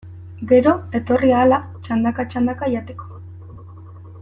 Gero, etorri ahala, txandaka-txandaka jateko.